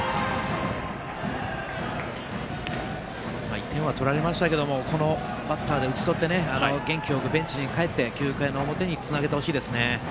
１点は取られましたけどもこのバッターで打ちとって元気よくベンチに帰って９回の表につなげてほしいです。